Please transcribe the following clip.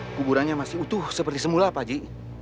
kuburannya masih utuh seperti semula pak ji